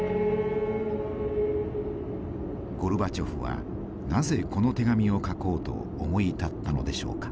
ゴルバチョフはなぜこの手紙を書こうと思い立ったのでしょうか。